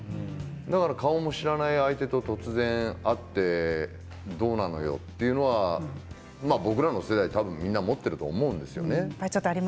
だから顔も知らない相手と突然、会ってどうなのよという僕らの世代はみんな思っていると思うんですよね。